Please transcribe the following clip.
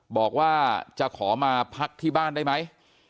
บอกว่าจะขอมาพักที่บ้านได้ไหม